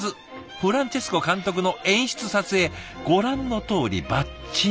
フランチェスコ監督の演出撮影ご覧のとおりバッチリ。